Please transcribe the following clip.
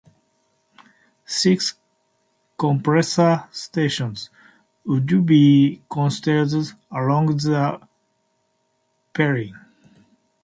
Six compressor stations would be constructed along the pipeline.